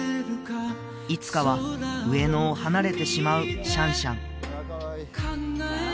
いつかは上野を離れてしまうシャンシャン